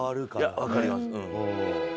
分かりますうん。